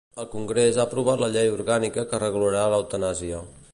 El Congrés ha aprovat la llei orgànica que regularà l'eutanàsia.